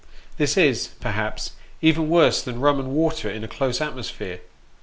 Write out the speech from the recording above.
This is, perhaps, even worse than rum and water in a close atmosphere.